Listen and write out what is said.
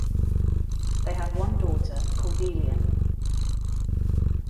They have one daughter, Cordelia.